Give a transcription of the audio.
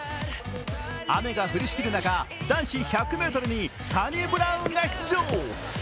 雨が降りしきる中、男子１００ｍにサニブラウンが出場。